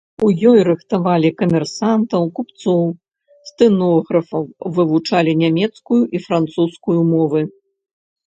У ёй рыхтавалі камерсантаў, купцоў, стэнографаў, вывучалі нямецкую і французскую мовы.